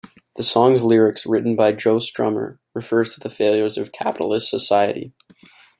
The song's lyrics, written by Joe Strummer, refers to the failures of capitalist society.